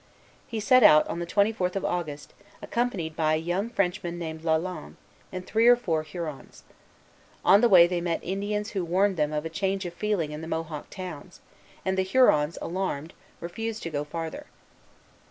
He set out on the twenty fourth of August, accompanied by a young Frenchman named Lalande, and three or four Hurons. On the way they met Indians who warned them of a change of feeling in the Mohawk towns, and the Hurons, alarmed, refused to go farther.